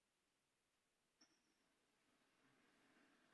Todas sus heridas son aparentes.